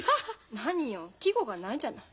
何よ季語がないじゃない。